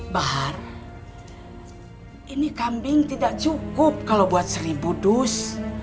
bahar ini kambing tidak cukup kalau buat seribu dus